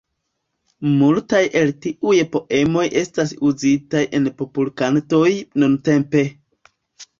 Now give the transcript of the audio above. Multaj el tiuj poemoj estas uzitaj en popolkantoj nuntempe.